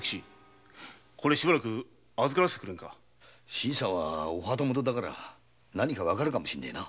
新さんはお旗本だから何かわかるかもしれねえな。